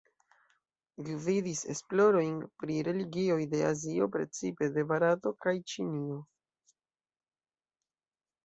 Gvidis esplorojn pri religioj de Azio, precipe de Barato kaj Ĉinio.